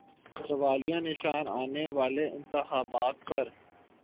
سوالیہ نشان آنے والے انتخابات پر۔